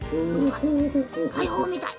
たいほうみたい。